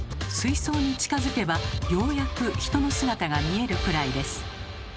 水槽に近づけばようやく人の姿が見えるくらいです。